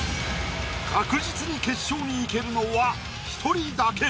確実に決勝に行けるのは１人だけ。